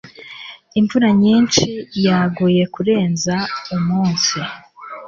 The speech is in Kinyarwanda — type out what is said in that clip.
Imvura nyinshi yaguye kurenza umunsi.